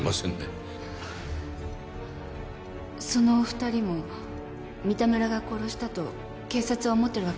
そのお２人も三田村が殺したと警察は思ってるわけですか？